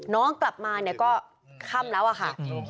น้องกลับมาเนี่ยก็ค่ำแล้วอะค่ะ